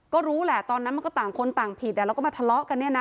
ก็รู้แหละตอนนั้นมันก็ต่างคนต่างผิดแล้วก็มาทะเลาะกันเนี่ยนะ